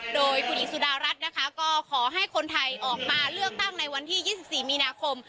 โดยคุณหญิงสุดารัฐนะคะก็ขอให้คนไทยออกมาเลือกตั้งในวันที่๒๔มีนาคม